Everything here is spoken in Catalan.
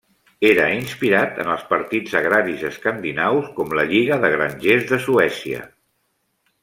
Era inspirat en els partits agraris escandinaus com la Lliga de Grangers de Suècia.